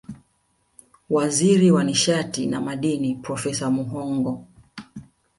Waziri wa nishati na Madini Profesa Muhongo